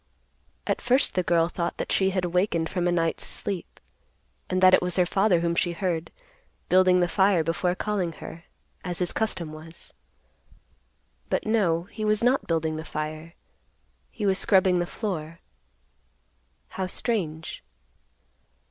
At first the girl thought that she had awakened from a night's sleep, and that it was her father whom she heard, building the fire before calling her, as his custom was. But no, he was not building the fire, he was scrubbing the floor. How strange.